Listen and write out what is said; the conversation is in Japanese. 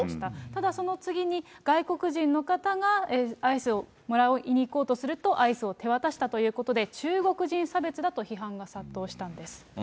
ただその次に、外国人の方がアイスをもらいに行こうとすると、アイスを手渡したということで、中国人差別だと批判が殺到したんです。